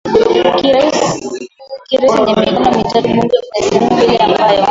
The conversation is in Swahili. kiraisi yenye mikono mitatu Bunge kuna sehemu mbili ambayo